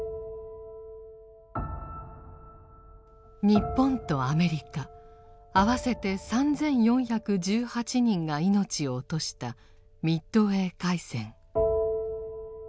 日本とアメリカあわせて３４１８人が命を落としたミッドウェー海戦。